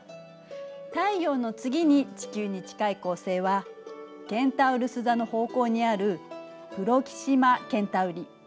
太陽の次に地球に近い恒星はケンタウルス座の方向にあるプロキシマ・ケンタウリ。